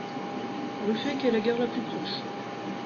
Ruffec est la gare la plus proche.